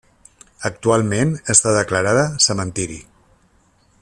Actualment està declarada cementiri.